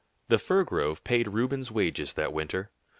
The fir grove paid Reuben's wages that winter.